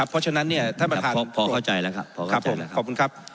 พอเข้าใจแล้วครับ